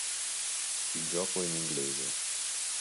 Il gioco è in inglese.